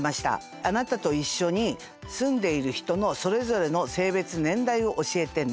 「あなたと一緒に住んでいる人のそれぞれの性別・年代を教えてね」。